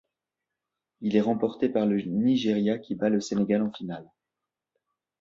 Il est remporté par le Nigeria qui bat le Sénégal en finale.